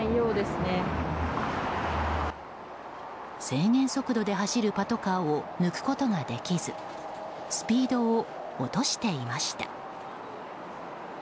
制限速度で走るパトカーを抜くことができずスピードを落としていました。